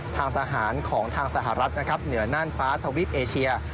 ทางสหารของทางสหรัฐเหนือนั่นฟ้าทวิปเอเชีย